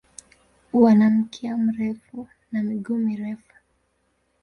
Wana mkia mrefu na miguu mirefu.